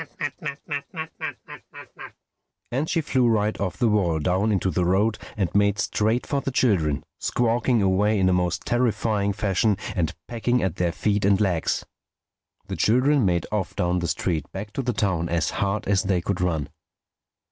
And she flew right off the wall down into the road and made straight for the children, squawking away in a most terrifying fashion and pecking at their feet and legs. The children made off down the street back to the town as hard as they could run.